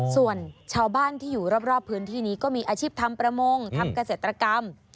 ส่วนชาวบ้านที่อยู่รอบพื้นที่นี้ก็มีอาชีพทำประมงทำเกษตรกรรม